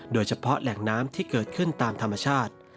โดยเฉพาะแหล่งน้ำที่เกิดขึ้นตามธรรมชาติ